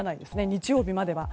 日曜日までは。